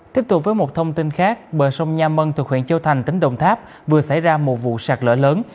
tiếp tục với một thông tin khác bờ sông nha mân thuộc huyện châu thành tỉnh đồng tháp vừa xảy ra một vụ sạt lỡ lớn